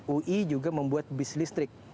ui juga membuat bis listrik